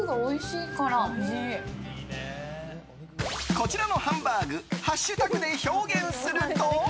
こちらのハンバーグハッシュタグで表現すると？